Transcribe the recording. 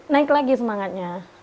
naik lagi semangatnya